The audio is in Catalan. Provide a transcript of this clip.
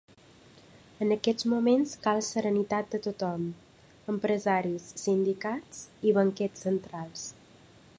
En aquests moments cal serenitat de tothom: empresaris, sindicats i banquers centrals.